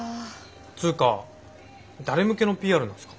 つうか誰向けのＰＲなんですか？